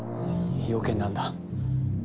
用件なんだ？